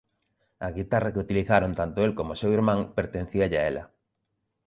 A guitarra que utilizaron tanto el como o seu irmán pertencíalle a ela.